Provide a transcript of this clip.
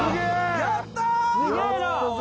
やったぜ！